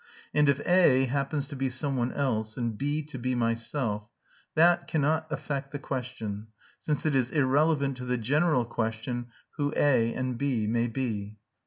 And if A happens to be some one else, and B to be myself, that cannot affect the question, since it is irrelevant to the general question who A and B may be."